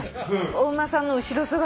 お馬さんの後ろ姿？